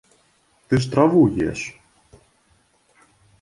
Ты ж траву еш!